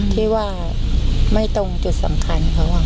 ที่ว่าไม่ตรงจุดสำคัญเขา